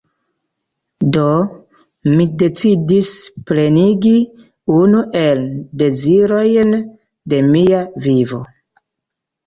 Do, mi decidis plenigi unu el dezirojn de mia vivo.